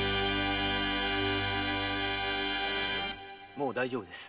もう大丈夫です。